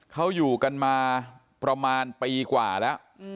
เขาอยู่กันมาประมาณปีกว่าแล้ว